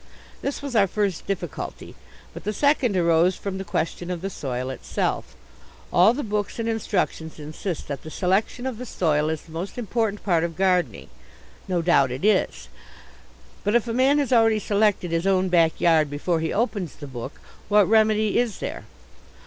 This was our first difficulty. But the second arose from the question of the soil itself. All the books and instructions insist that the selection of the soil is the most important part of gardening. No doubt it is. But, if a man has already selected his own backyard before he opens the book, what remedy is there?